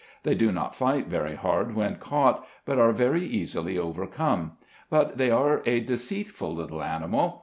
They do not fight very hard when caught, but are very easily overcome; but they are a deceitful little animal.